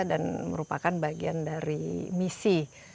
dan merupakan bagian dari misi